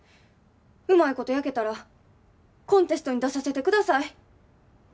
うまいこと焼けたらコンテストに出させてください。